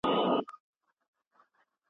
صبر ولرئ او څېړنه دوام ورکړئ.